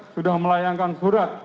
sudah melayangkan surat